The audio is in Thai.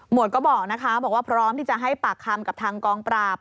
วดก็บอกนะคะบอกว่าพร้อมที่จะให้ปากคำกับทางกองปราบ